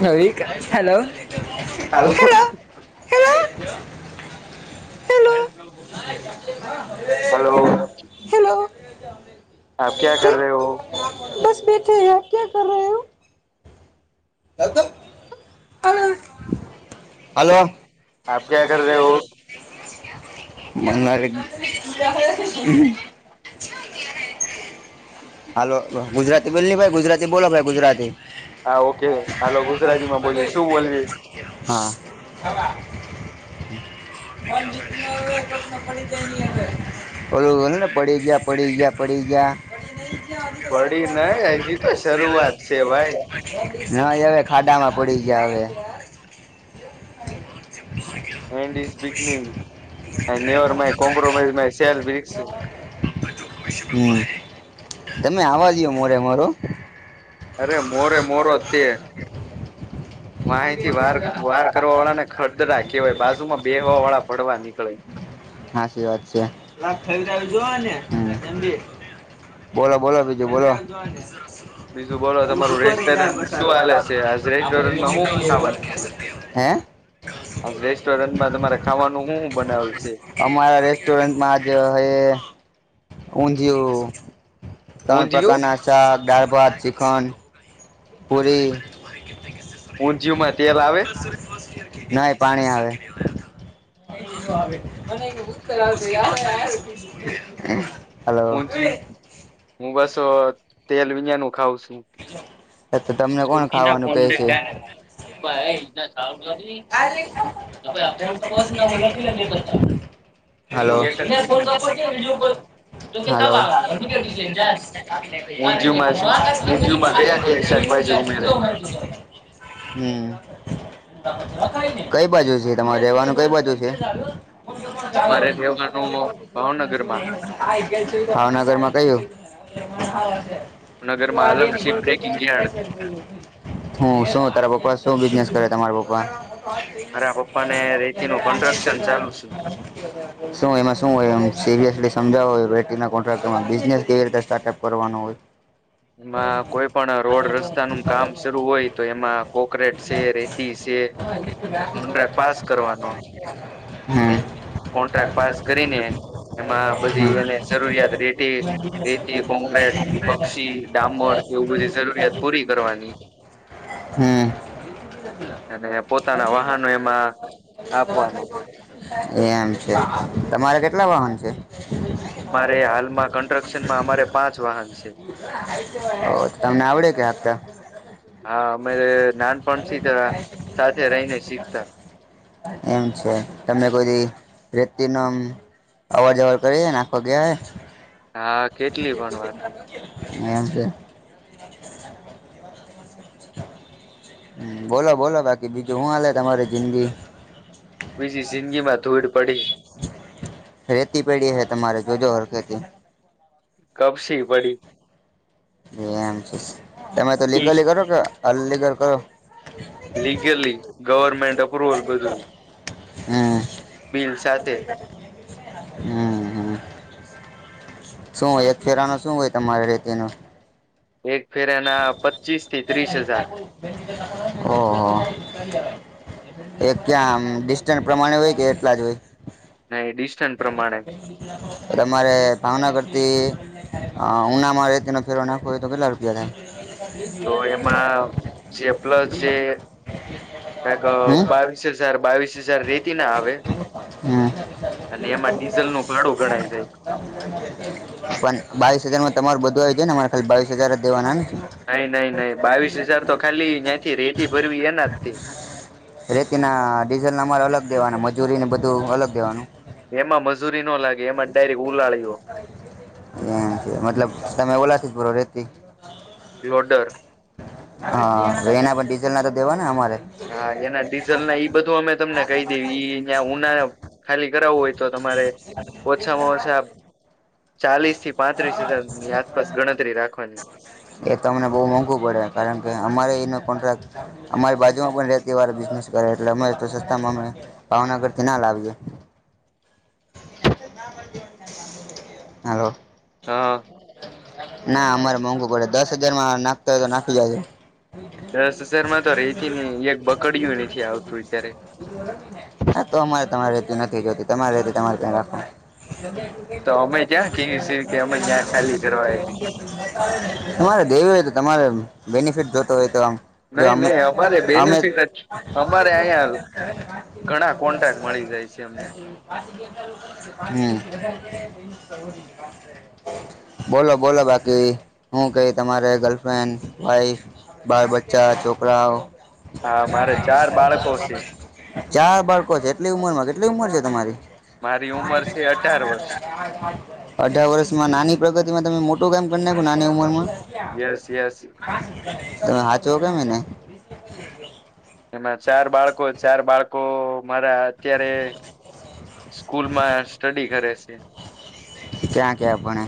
Hello hello hello hello આપ ક્યા કર રહ હો બેીઠીક હ ક્યા કર રહ હો હ હલોો બનારે હાલો ગુજરાતી બોલ ભાઈ ગુજરાતી બોલો ભાઈ ગુજરાતી હા ઓકે હાલો ગુજરાતીમાં બોલી શું બોલવી હા હ ઓલુંને પડી ગયા પડી ગયા પડી ગયા પડી નને હજી તો શરૂઆત છે ભાઈ ના હવે ખાડામાં પડી ગયા હવે and is beginning and never my compromise my સેલ્સિ હ તમે આવા જો મોરે મારો અરે મોરે મોરો તે હ વાહીથી વાર વાર કરવા વાળા ને ખડદરા કેવાય બાજુમાં બેહવા વાળા ભડવા નીકળે હા સી વાત છે જો ને હમ બોલો બોલો બીજું બોલો બીજું બોલો એું તમે દુખો નહી થાય શું બસારું હાલે છે આજ રેસ્ટોરન્ટ હે રેસ્ટોરન્ટમાં તમારે ખાવાનું શું શું બનાવેલ છે અમારા રેસ્ટોરન્ટમાંજ હ ઊંધિયું ત્રણ પ્રકારના શાક દાળ ભાત ચીખન પુરી ઊંધિયુંમાં તેલ આવે ના પાણી આવે એ આવે બૂતરા હું જ હું બસ તેલ વિજનું ખઉં છું તો તમને કોણ સુર્કીના ખાવાનું કો [inaudible] કહે છે [unintelligible] હલો ખજલ [inaudible] તો કે હલો ખવા આવેમાં [inaudible] હમ કઈ બાજુ છે તમારે રહેવાનું કઈ બાજુ છે [inaudible] રહેવાનું ભાવનગરમાં ભાવનગરમાં કયું ભાવનગરમાં ગિયાડ હું શું તારા પપાસ શું બિઝનેસ કરે તમારા પપ્પા મારા પપ્પાને રેતી ચાલુ છે શું એમાં શું હોય એનું સિરિયસલી સમજાવ હોય કોન્ટ્રાક્ટમાં બિજનેસ કેવી રીતે સ્ટાર્ટઅપ કરવાનું હોય એમાં કોઈ પણ રોડ રસ્તાનું કામ શરૂુ હોય તો એમાં કોકરેટ શેર રેતીજ છે કોન્ટ્રાક્ટ પાસ કરવાનો ન હમ કોન્ટ્રાક્ટ પાસ કરીને- એમાં બધી હમ એને જરૂરિયાત રેતી રેતી કોંક્રેટ પક્ષી ડામોર એવું બધી જરૂરિયાત પૂરી કરવાની હમ અને પોતાના વાહનો એમાં આપવાનો એમ છે તમારે કેટલા વાહન છે? અમારે હાલમાં કન્સ્ટ્રક્શનમાં અમારે પાંચ વાહન છે. ઓ તમને આવડે કે હાકતા? હા અમે નાનપણથી સાથે રહીને શીખતા. એમ છે તમે કોઈ દિ રેતી ન આમ અવર જવર કરી નાખો ગયા હોય હા કેટલી પણ વાર. મેમ છે. બોલો બોલો બાકી બીજું શું હાલે તમારી જિંદગી. બીજી જિંદગીમાં ધૂડ પડી. રેતી પડી હે તમારે જોજો હરખેથી. કબશી પડી. બેન છે. તમે તો લીગલી કરો કે અ લિગલ કરો. મેાપર ઓલ બધું હમ બિલ સાથે હમ હમ. શું હોય અફેરા ન શું હોય તમારી રેતી નુ. એક ફેર એના પ- [inaudible] ઓહ. એ ક્યાંમ ડિસ્ટન્સ પ્રમાણે હોય કે એટલા જ હોય? ને ડિસ્ટન્સ પ્રમાણે તમારે ભાવના કરતી- - હ ઉનામાં રેતીનો ફેરો નાખવો હોય તો કેટલા રૂપિયા થાય? તો એમાં જે પ્લસ જે- - કક હમ બાવીસ હજાર બાવીસ હજાર રેતી ના આવે- - હમ. એમાં ડીઝલ નું ભાડું ગણાય પણ બાવીસ હજાર માં તમારું બધું- - ને તમારે ખાલી બાવસ હજાર દેવાનાને? નઈ નઈ નઈ બાવીસ હજાર તો ખાલી ત્યાંથી રેતી ભરવી એના જ. રેતીના ડીઝલ ના અમારે અલગ દેવાનું મજૂરીને બધું અલગ દેવાનું? એમાં મજૂરી નો લાગે. એમાં ડાયરેક્ટ ઉલાળ્યો એમ છે મતલબ તમે ઓલાથી ભરો રેતી? લોડર હા એના પર ડીઝલ ના તો દેવાના અમારે? હા એના ડીઝલ ના ઈ બધું અમે તમને કહી દે ઈં ઉના ખાલી કરાવવું હોય તો. તમારે ઓછામાં ઓછા. ચાલીસ થી પાંત્રીસ હજારની આસપાસ ગણતરી રાખવાની. એ તમને બહુ મોંઘું પડે કારણ કે અમારે એનો કોન્ટ્રાક્ટ- - અમારી બાજુમાં પણ રેતી વાર બિઝનેસ કરે એટલે અમે તો સસ્તામાં અમે ભાવનગર થી ના લાવીએ. [inaudible] હાલો. હા. ના અમારે મોંઘુ પડે દસ હજાર માં નાખતા હોય તો નાખી લેજો. દસ હજારમાં તો રેતી ને એક બકડયું નથી આવતું અત્યારે. હા તો અમારે તમારે રહેતું નથી તમારે તમારે ત્યા રાખો. તો અમે ક્યાં કેવી છે કે અમે ત્યાં ખાલી કરવા આયવા. તમારે દેવી હોય તો તમારે- - બેનિફિટ જોતો હોય તો આમ. એમે ને અમારે આમે બેનિફિટ જ અમારે અહીંયા ઘણા કોન્ટ્રાક્ટ મળી જાય છે અમને હમ બોલો બોલો બાકી હું કઈ તમારે ગર્લફ્રેન્ડ ભાઈ બાળ બચ્ચા છોકરાઓ હા મારે ચાર બાળકો ચાર બાળકો છે એટલી ઉમર માં કેટલી ઉંમર છે તમારી મારી ઉંમર છે અઢાર [unintelligible] અઢાર વર્ષમાં નાની પ્રગતિ માં તમે મોટું કામ કરી નાખો નાની ઉંમર માં વર્ષ યસ યસ ત હાચો કેમને એમાં ચાર બાળકો ચાર બાળકો મારા અત્યારે સ્કૂલમાં સ્ટડી કરે છે ક્યાં કે આપણે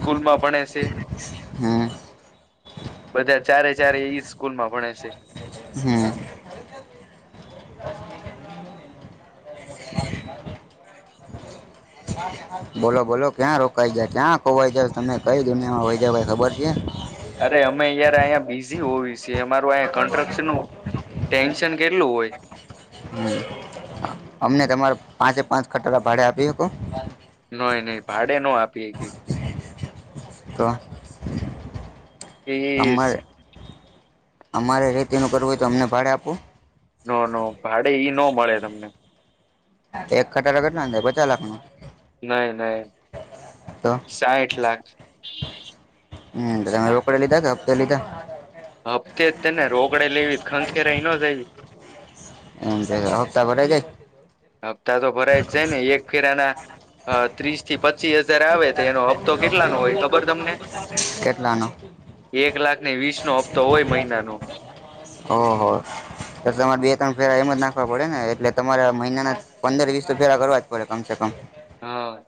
સ્કૂલ માં પણ ભણે છે હમ બધા ચારે ચારે એ સ્કૂલમાં ભણે છે હમ બોલો બોલો ક્યાં રોકાઈ જાય ક્યાં ખોવાઈ જ તમને કઈ દુનિયામાં હોય જ ભાઈ ખબર છે અરે અમે યાર અહીંયા બીઝી હોવી અમારું કન્સ્ટ્રક્શન નું ટેન્શન કેટલું હોય હમ અમને તમારે પાંચે પાંચ ખટાડા ભાડે આપી શકો નહી નહી ભાડે ન આપીએ કઈ તો એ અમારે અમારે રેતીનું કરવું હોય તો અમને ભાડે આપો ન ન ભાડે ઈ ન મળે તમને એક ખટારો કેટલાનો થાય પચાસ લાખ નો નહી નહી તો સાહીઠ લાખ હમ તમે રોકડે લીધા કે હપ્તા લીધા હપ્તે જ [unintelligible] ન જય એમ જ હપ્તા બરાઈ જાય હપ્તા તો ભરાય જ જાય ને એક ફેરાના ત્રીસ થી પચીસ હજાર આવે તો એનો હપ્તો કેટલાનો હોય ખબર તમને કેટલાનો એક લાખ ને વીસ નો હપ્તો હોય મહિનાનો ઓ હો તમારે બે ત્રણ ફેરા એમ જ નાખવા પડે ને એટલે તમારે મહિનાના પંદર વીસ તો ફેરા કરવા જ પડે કમસે કમ હા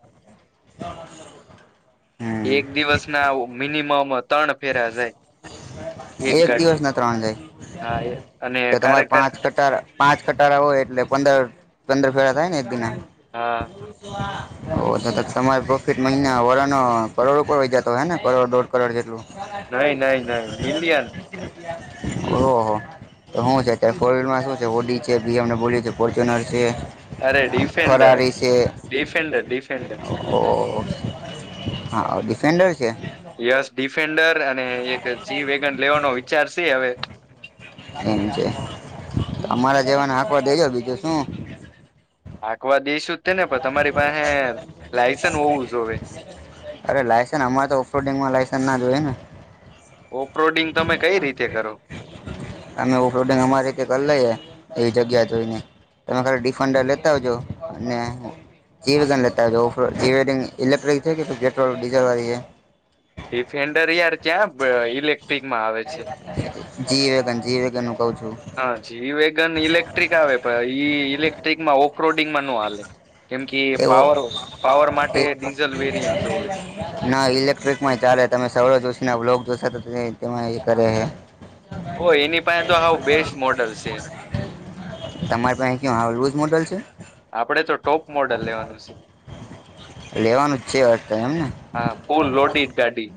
હમ એક દિવસ ના મિનિમમ ત્રણ ફેર જાય એક દિવસ ના ત્રણ જાય. હા એ તો અને તમારે પાંચ કટ પાંચ કટારા હોય એટલે પંદર પંદર ફેરતા ને એક દિ ના. હા ઓ તમારે પ્રોફિટ મહિના વરનો કરોડ ઉપર હો જતો હે ને કરોડ દોઢ કરોડ જેટલું. [unintelligible] ઓહ નહી નહી નહી મિલિયન તો હું છે ત્યારે [unintelligible] માં શું છે હોટી છે બી અમ ડબલું છે ફોર્ચ્યુનર છે. અરે ડિફેન્ડર ફરારી છે ડિફેન્ડર ડિફેન્ડર ઓ હા આવે યસ ડિફેન્ડર અને એક જી વેગન લેવાનો વિચાર છે હવે એમ છે અમારા જેવાને હાકવા દેજો બીજું શું. આકવા દઈશું તે ને પણ તમારી પાસે લાયસન હોવું જોવે. અરે લાયન્સ અમારે તો ઓફરોડિંગમાં લાસન્સ ના જોઈયએ ને. ઓફરોડિંગ તમે કઈ રીતે કરો. અમે ઓફરોડિંગ અમારી કરી લઈએ એવી જગ્યા જોઈને. તમે ખાલી ડિફેન્ડર લેતા આવજો અને જીવેન લેતા આવજો [unintelligible] ઇલેક્ટ્રિક છે કે પેટ્રોલ ડીઝલ વાળી છે. ડિફેન્ડરયાર ક્યાં ઇલેક જીવેગન જીવેગન નુ હા જ ઈ વેગન ઇલેક્ટ્રિક આવે પણ ઈ ઇલેક ટ્રીકમાં ઓવક્રોડિંગમાં નું હાલે. કેમ કે એવો પાવર પાવર માટે ડીઝલ ન ઈ ઇલેક્ટ્રિકમાં ચાલે તમે સવાળો જોશો ના બલોગ જોશો તો તેમાં એ કરે હે. ઓ એની પાસે તો આવું બેસ્ટ મોડલ છે. તમારે પાસે ક હ રોલ મોડલ છે. આપડે તો ટોપ મોડલ લેવાનું છે. લેવાનું છે અજત એમને. ફૂલ લોડીડ ગાડી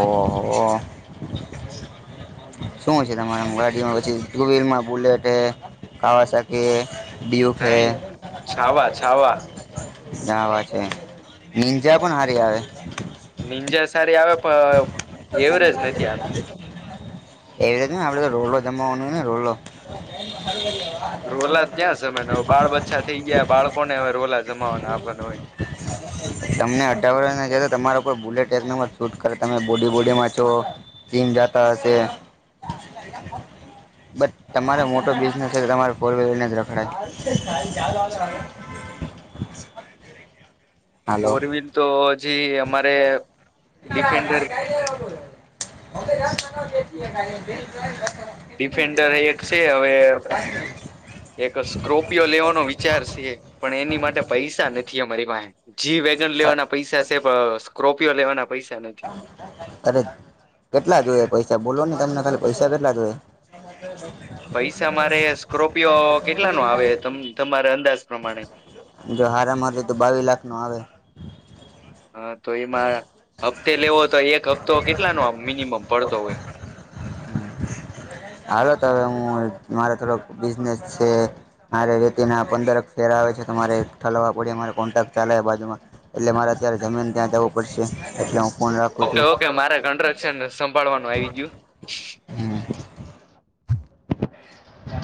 ઓ, હોહો શું છે તમારા ગાડીમાં પછી ટુ વ્હીલ માં બુલેટે ખાવા શ કે. નહી છાવા છાવા જા વા છે નિંજા પણ હારી આવે. નીરજા સારી આવે પણ એવરેજ નથી આપે. એવી રીતે આપડે તો રોડ જમવાનો ને રોડ રોલા ક્યાં જમે બાળ બચ્છા થઈ ગયા બાળકોને હવે રોલા જમાવાના આપવાનો હોય. તમને અઢાર વર્ષ જ તો તમારો કો બુલેટ ન શૂટ કરે તમે બોડી બોડી માં છો. ચીમ જાતા હશે. [unintelligible] બ તમારો મોટો બિઝનેસ છે કે તમારે ફર વલરને જ રખડાય. [unintelligible] હાલો ફોર વ્હીલ તો હજી અમારે [inaudible] ડિફેન્ડર એક છે હવે એક સ્કો્રોપિયો લેવાનો વિચાર છે પણ એની માટે પૈસા નથી અમારી પાસે જી વેગન લેવાના પૈસા છે સ્કોર્પિયો લેવાના પૈસા નથી અરે કેટલા જોઈએ પૈ [unintelligible] બોલો ને તમને ખાલી પૈસા કેટલા જોયે. પૈસા મારે સ્કોર્પિયો કેટલા ન આવે તમારા અંદાજ પ્રમાણે? જો હારા માર તો બાવી લાખ નો આવે. હા તો એમાં હપ્તે લેવો તો એક હપ્તો કેટલાનો મિનિમમ પડતો હોય. હાલો તો હ હું મારે થોડોક બિઝનેસ છે મારે રેતી ના પંદર ફે આવે છે તો તમારે ઠલવવા પડે મારે કોન્ટ્રાક્ટ ચાલે બાજુમાં એટલે મારે અત્યારે જમીન ત્યાં જવું પડશે એટલે હું ફોન રાખું ઓકે છું ઓકે મારે ઘંરે છેન સંભાળવાનું આવી ગયું હમ